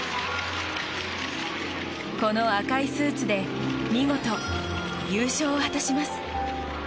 この赤いスーツで見事、優勝を果たします。